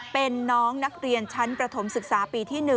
เป็นน้องนักเรียนชั้นประถมศึกษาปีที่๑